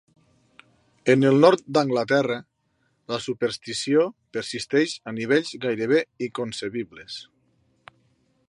En el nord d'Anglaterra, la superstició persisteix a nivells gairebé inconcebibles.